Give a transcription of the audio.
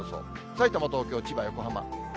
さいたま、東京、千葉、横浜。